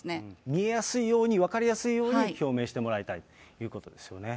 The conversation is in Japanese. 見えやすいように、分かりやすいように表明してもらいたいということですよね。